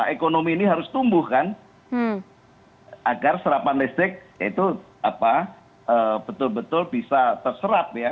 ekonomi ini harus tumbuh kan agar serapan listrik itu betul betul bisa terserap ya